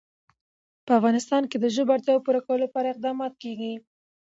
په افغانستان کې د ژبو اړتیاوو پوره کولو اقدامات کېږي.